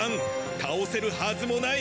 倒せるはずもない。